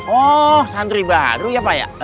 oh santri baru ya pak ya